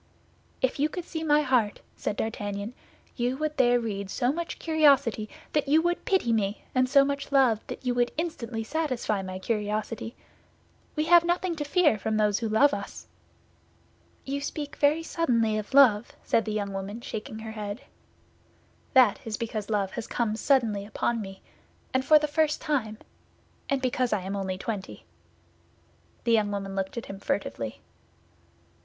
"If you could see my heart," said D'Artagnan, "you would there read so much curiosity that you would pity me and so much love that you would instantly satisfy my curiosity. We have nothing to fear from those who love us." "You speak very suddenly of love, monsieur," said the young woman, shaking her head. "That is because love has come suddenly upon me, and for the first time; and because I am only twenty." The young woman looked at him furtively.